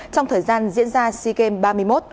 trong thời gian diễn ra seagame ba mươi một